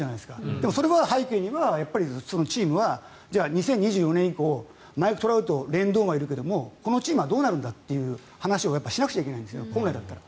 でも、それは背景にはチームは２０２４年以降マイク・トラウトレンドンがいるけどこのチームはどうなるんだという話をしなくちゃいけないんです。本来だったら。